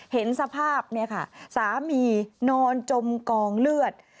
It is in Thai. เห็นสภาพเนี่ยค่ะสามีนอนจมกองเลือด